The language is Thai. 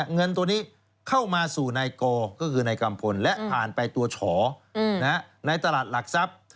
เงินตัวนี้เข้ามาสู่นายกอก็คือนายกัมพลและผ่านไปตัวฉอในตลาดหลักทรัพย์